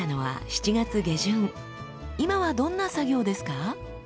今はどんな作業ですか？